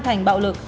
thành bạo lực